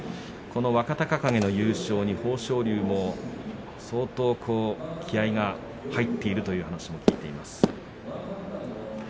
この若隆景の優勝に豊昇龍も相当気合いが入っているという話も聞いています。